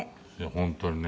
本当にね。